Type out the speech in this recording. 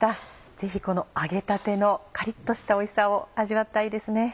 ぜひこの揚げたてのカリっとしたおいしさを味わいたいですね。